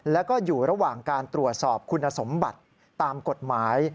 แล้วก็อยู่ระหว่างการตรวจสอบคุณสมบัติตามกฎหมาย